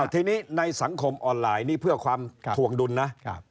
ทีนี้ในสังคมออนไลน์นี่เพื่อความถวงดุลนะ